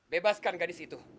bebaskan gadis itu